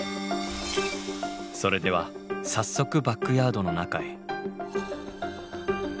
それでは早速バックヤードの中へ。